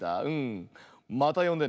またよんでね。